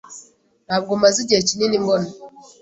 Ntabwo maze igihe kinini mbona.